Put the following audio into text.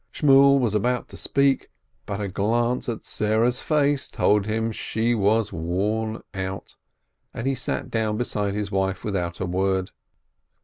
Shmuel was about to speak, but a glance at Sarah's face told him she was worn out, and he sat down beside his wife without a word.